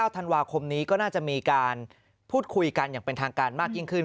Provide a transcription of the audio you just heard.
ธันวาคมนี้ก็น่าจะมีการพูดคุยกันอย่างเป็นทางการมากยิ่งขึ้น